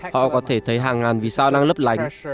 họ có thể thấy hàng ngàn vì sao đang lấp lánh